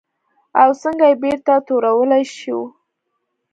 او څنګه یې بېرته تورولی شو؟